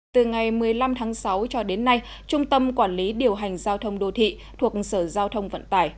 từ ngày một mươi năm tháng sáu cho đến nay trung tâm quản lý điều hành giao thông đô thị thuộc sở giao thông vận tải